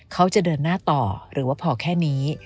เขาจะเดินหน้าต่อหรือว่าพอแค่นี้